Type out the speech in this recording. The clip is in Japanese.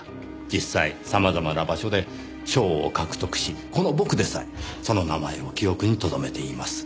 実際様々な場所で賞を獲得しこの僕でさえその名前を記憶にとどめています。